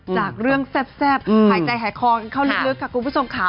จากเรื่องแซ่บหายใจหายคลองเขาลึกครับคุณผู้ชมขา